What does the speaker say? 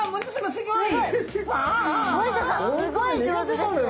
すごい上手ですね。